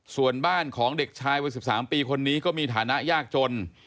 ส่วนบ้านของเด็กชายวัย๑๓ปีคนนี้ก็มีฐานะยากจน